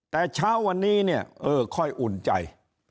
แต่เช้าวันนี้เนี่ยเออค่อยอุ่นใจ